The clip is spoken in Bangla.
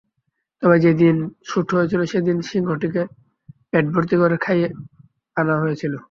তবে যেদিন শুট হয়েছিল সেদিন সিংহটিকে পেটভর্তি করে খাইয়ে আনা হয়েছিল।